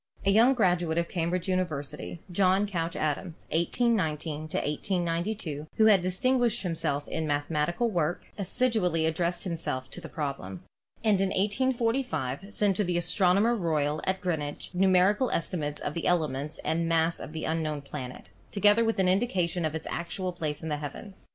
A young graduate of Cambridge University, John Couch Adams (1819 1892), who had distinguished himself in 214 ASTRONOMY mathematical work, assiduously addressed himself to the problem, and in 1845 sent to the Astronomer Royal at Greenwich numerical estimates of the elements and mass of the unknown planet, together with an indication of its actual place in the heavens.